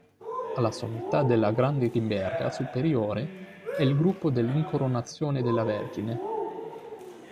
Alla sommità della grande ghimberga superiore è il gruppo dell"'Incoronazione della Vergine".